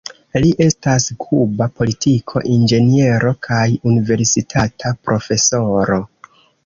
Li estas kuba politiko, inĝeniero kaj universitata profesoro.